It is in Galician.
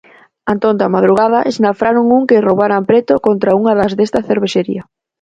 Antonte á madrugada esnafraron un que roubaran preto contra unha das desta cervexería.